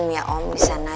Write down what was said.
ya om di sana